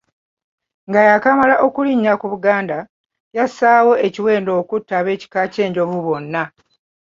Nga yaakamala okulinnya ku Buganda, yassaawo ekiwendo okutta ab'ekika ky'Enjovu bonna.